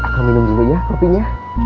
akang minum dulu ya kopinya